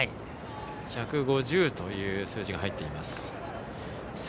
「１５０」という数字が入っています。